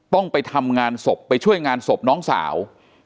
ต้องไปทำงานศพไปช่วยงานศพน้องสาว